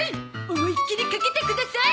思いっきりかけてください！